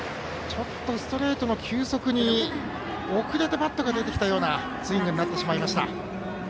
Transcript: ちょっとストレートの球速に遅れてバットが出てきたようなスイングになってしまいました。